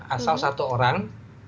asal satu orang